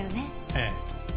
ええ。